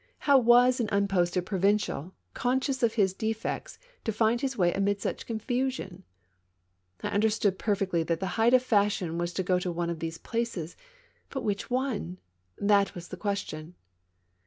How was an unposted provincial, conscious of his de fects, to find his way amid such a confusion ? I under stood perfectly that the height of fashion was to go THE MAISONS LAFFITTE RACES. 45 to one of these places; but which one? — that was the question!